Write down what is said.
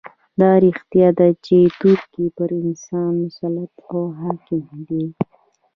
دا رښتیا ده چې توکي پر انسان مسلط او حاکم دي